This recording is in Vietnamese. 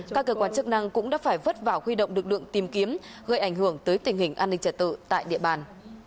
các cơ quan chức năng cũng đã phải vất vả huy động lực lượng tìm kiếm gây ảnh hưởng tới tình hình an ninh trật tự tại địa bàn